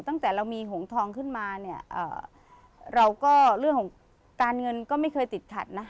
ตั้งแต่เรามีหงษ์ทองขึ้นมาเรื่องของการเงินก็ไม่เคยติดขัดนะ